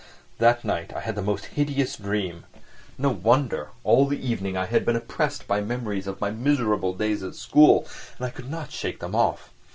That night I had the most hideous dreams. No wonder; all the evening I had been oppressed by memories of my miserable days at school, and I could not shake them off.